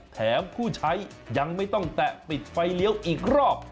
ผู้ใช้ยังไม่ต้องแตะปิดไฟเลี้ยวอีกรอบ